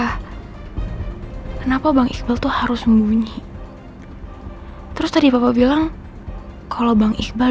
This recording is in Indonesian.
kenapa bang isbat tuh harus sembunyi terus tadi bapak bilang kalau bang iqbal